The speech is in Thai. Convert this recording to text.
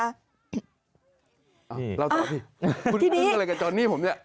อ้าวเล่าต่อสิคุณปึ๊งอะไรกับจอนนี่ผมเนี่ย